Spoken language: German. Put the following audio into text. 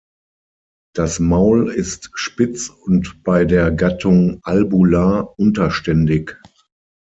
Das Maul ist spitz und bei der Gattung "Albula" unterständig.